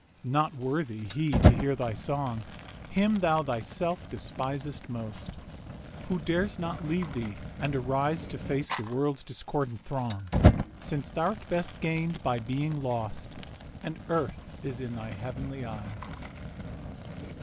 Not worthy he to hear thy song, Him thou thyself despisest most, Who dares not leave thee and arise To face the World's discordant throng; Since thou'rt best gain'd by being lost, And Earth is in thy Heav'nly eyes.